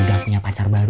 udah punya pacar baru